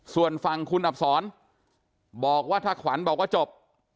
ส่วนฝั่งคุณอับศรบอกว่าถ้าขวัญบอกว่าจบ